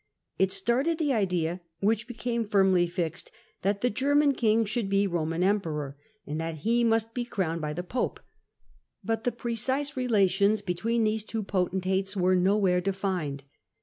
It started the idea, which be came firmly fixed, that the German king should be Roman emperor, and that he must be crowned by the pope; but the precise relations between these two potentates were nowhere defined.